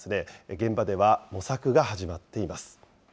現場では模索が始まっています。